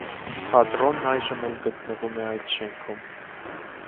Թատրոնն այժմ էլ գտնվում է այդ շենքում։